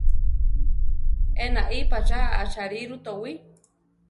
Enaí patzá acháriru towí.